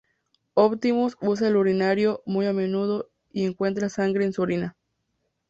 Optimus usa el urinario muy a menudo y encuentra sangre en su orina.